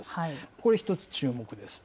これ１つ注目です。